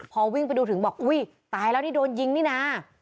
พอวิ่งไปดูถึงบอกอุ้ยตายแล้วนี่โดนยิงนี่นะ